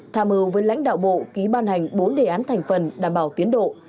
tham mưu với lãnh đạo bộ ký ban hành bốn đề án thành phần đảm bảo tiến độ